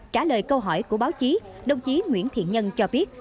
trả lời câu hỏi của báo chí đồng chí nguyễn thiện nhân cho biết